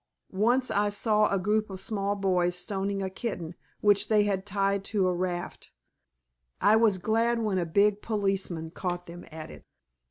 Once I saw a group of small boys stoning a kitten which they had tied to a raft. I was glad when a big policeman caught them at it.